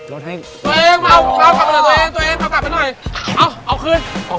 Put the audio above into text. ลดให้ตัวเองตัวเองกลับไปหน่อยเอาขึ้น๒จานกิน